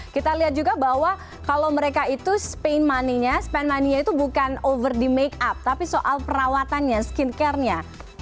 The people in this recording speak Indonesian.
kita lihat juga bahwa kalau mereka itu spin money nya spend money nya itu bukan over di make up tapi soal perawatannya skincare nya